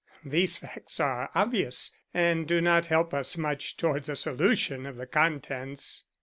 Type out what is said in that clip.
These facts are obvious, and do not help us much towards a solution of the contents."